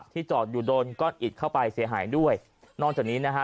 จอดอยู่โดนก้อนอิดเข้าไปเสียหายด้วยนอกจากนี้นะฮะ